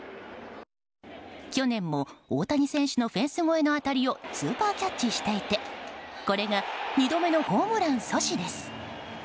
去年も大谷選手のフェンス越えの当たりをスーパーキャッチしていてこれが２度目のホームラン阻止です。